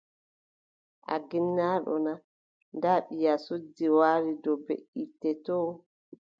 A ginnaaɗo naa, ndaa ɓiya suddi waali dow beʼitte too.